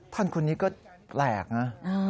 ท่านคนนี้ก็แปลกนะ